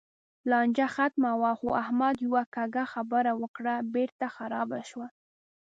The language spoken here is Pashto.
لانجه ختمه وه؛ خو احمد یوه کږه خبره وکړه، بېرته خرابه شوه.